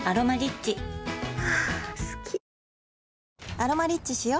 「アロマリッチ」しよ